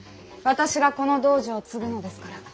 私がこの道場を継ぐのですから。